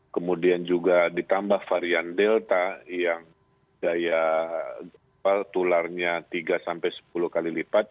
kemudian juga ditambah varian delta yang daya tularnya tiga sampai sepuluh kali lipat